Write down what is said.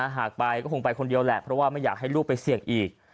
หากไปก็คงไปคนเดียวแหละเพราะว่าไม่อยากให้ลูกไปเสี่ยงอีก